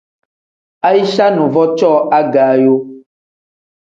Aicha nuvo cooo agaayo.